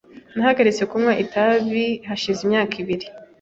Nahagaritse kunywa itabi hashize imyaka ibiri .